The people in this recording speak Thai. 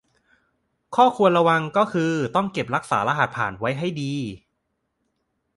ข้อควรระวังก็คือต้องเก็บรักษารหัสผ่านไว้ให้ดี